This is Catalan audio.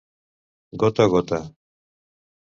Gota a gota.